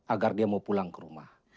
agar dia mau pulang ke rumah